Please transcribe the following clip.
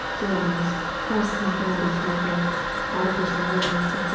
JONES, TRUSS & BANDAGE MAKER, ARTIFICIAL LIMBS, ETC.